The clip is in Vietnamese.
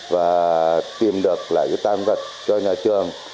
và tìm được lại cái tam vật cho nhà trường